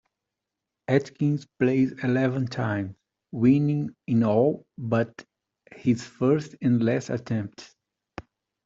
Atkins played eleven times, winning in all but his first and last attempts.